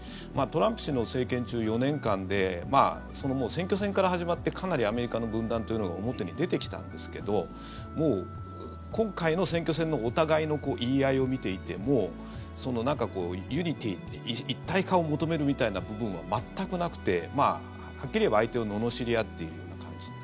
トランプ氏の政権中４年間で選挙戦から始まってかなりアメリカの分断というのが表に出てきたんですけどもう今回の選挙戦のお互いの言い合いを見ていてもユニティー、一体化を求めるみたいな部分は全くなくてはっきり言えば、相手をののしり合っているような感じ。